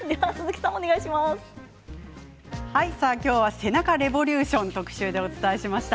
今日は背中レボリューション特集でお伝えしました。